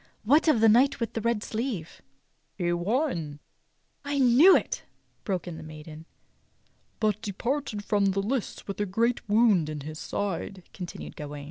^ What of the knight with the red sleeve.^" "He won —" "I knew it!" broke in the maiden. "— but departed from the lists with a great w^ound in his side," continued Gawain.